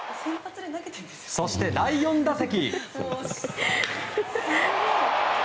そして、第４打席。